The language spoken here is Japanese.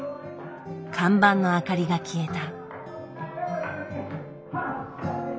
看板の明かりが消えた。